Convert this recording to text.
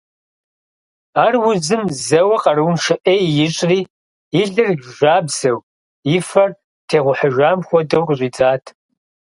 Ар узым зэуэ къарууншэ Ӏеи ищӏри, и лыр жабзэу и фэр тегъухьыжам хуэдэу къыщӀидзат.